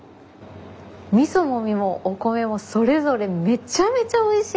みそも身もお米もそれぞれめちゃめちゃおいしいです。